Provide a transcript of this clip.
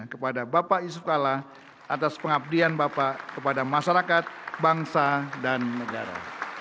kepada bapak yusuf kalla atas pengabdian bapak kepada masyarakat bangsa dan negara